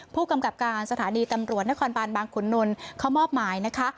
ผู้กำกับการสถานีตำรวจนครบานบางขุนนลเขามอบหมายนะคะ